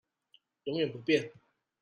永遠不變